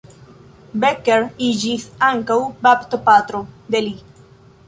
Becker iĝis ankaŭ baptopatro de li.